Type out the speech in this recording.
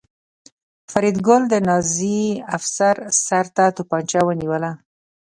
فریدګل د نازي افسر سر ته توپانچه ونیوله